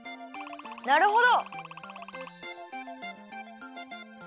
なるほど！